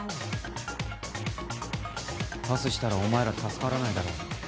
パスしたらお前ら助からないだろ？